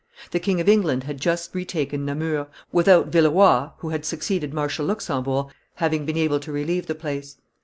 The King of England had just retaken Namur, without Villeroi, who had succeeded Marshal Luxembourg, having been able to relieve the place.